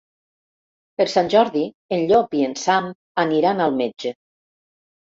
Per Sant Jordi en Llop i en Sam aniran al metge.